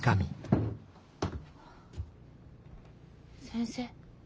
先生。